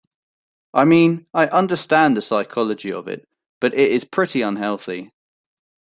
I mean, I understand the psychology of it, but it is pretty unhealthy.